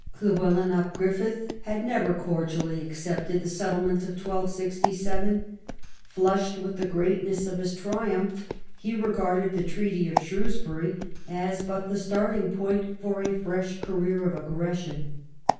Llywelyn ab GrufFydd had never cordially accepted the settlement of 1267. Flushed with the greatness of his triumph, he regarded the Treaty of Shrewsbury as but the starting point for a fresh career of aggression.